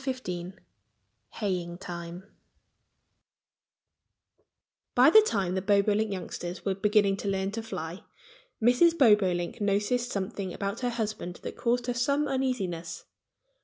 XV HAYING TIME BY the time the Bobolink youngsters were beginning to learn to fly Mrs. Bobolink noticed something about her husband that caused her some uneasiness.